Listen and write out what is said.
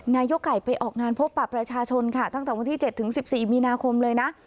นายก่ายไปออกงานพบประชาชนค่ะตั้งแต่วันที่เจ็ดถึงสิบสี่มีนาคมเลยนะ